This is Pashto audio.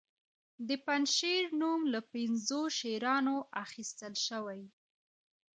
د پنجشیر نوم له پنځو شیرانو اخیستل شوی